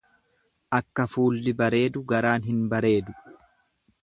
Akka fuulli bareedu garaan hin bareedu.